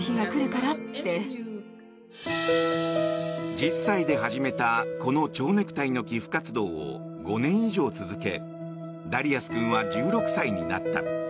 １０歳で始めたこの蝶ネクタイの寄付活動を５年以上続けダリアス君は１６歳になった。